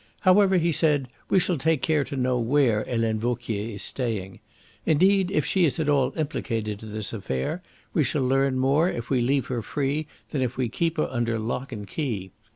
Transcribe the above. "However," he said, "we shall take care to know where Helene Vauquier is staying. Indeed, if she is at all implicated in this affair we shall learn more if we leave her free than if we keep her under lock and key.